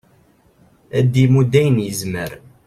ad d-imudd ayen yezmer